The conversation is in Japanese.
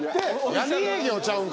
闇営業ちゃうんか？